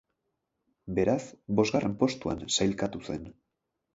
Beraz, bosgarren postuan sailkatu zen.